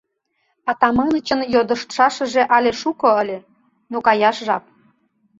Атаманычын йодыштшашыже але шуко ыле, но каяш жап.